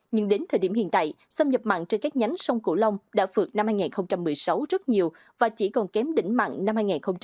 nhưng đến thời điểm hiện tại xâm nhập mặn trên các nhánh sông cửu long đã phượt năm hai nghìn một mươi sáu rất nhiều và chỉ còn kém đỉnh mặn năm hai nghìn một mươi tám